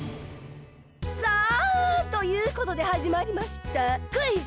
さあということではじまりましたクイズ！